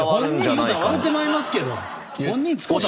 本人言うたら笑うてまいます。